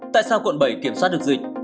tại sao quận bảy kiểm soát được dịch